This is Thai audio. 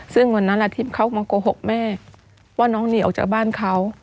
ซึ่งวันนั้นทิพย์เขามาโกหกแม่ว่าน้องหนีออกจากบ้านเขา